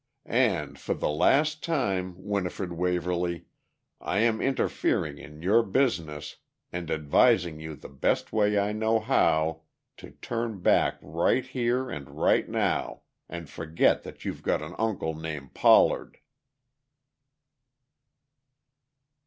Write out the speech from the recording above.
And, for the last time, Winifred Waverly, I am interfering in your business and advising you the best way I know how to turn back right here and right now and forget that you've got an uncle named Pollard!"